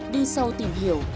đi sâu tìm hiểu